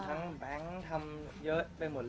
ขอบคุณครับ